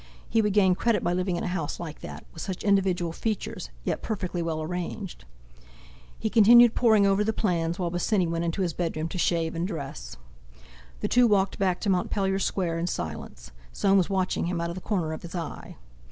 He would gain credit by living in a house like that—with such individual features, yet perfectly well arranged. He continued poring over the plans, while Bosinney went into his bedroom to shave and dress. The two walked back to Montpellier Square in silence, Soames watching him out of the corner of his eye.